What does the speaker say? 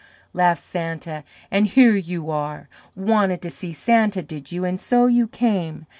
laughed Santa, "and here you are! Wanted to see Santa, did you, and so you came!